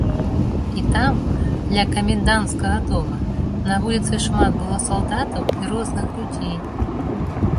І там, ля каменданцкага дома, на вуліцы шмат было салдатаў і розных людзей.